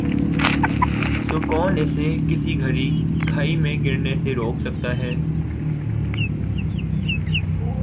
تو کون اسے کسی گہری کھائی میں گرنے سے روک سکتا ہے ۔